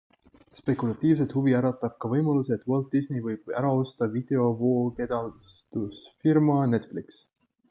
Spekulatiivset huvi äratab ka võimalus, et Walt Disney võib ära osta videovoogedastusfirma Netflix.